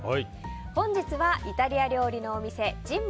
本日はイタリア料理のお店ジンボ